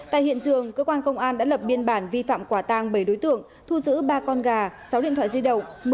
tại hiện trường cơ quan công an đã lập biên bản vi phạm quả tăng bảy đối tượng thu giữ ba con gà sáu điện thoại di động